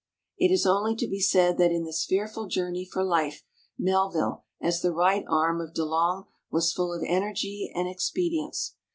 It is only to be said that in this fearful journey for life Melville, as the right arm of De Long, was full of energy and ex})edients.